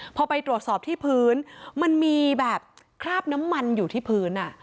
พอไปตรวจสอบที่พื้นมันมีแบบคราบน้ำมันอยู่ที่พื้น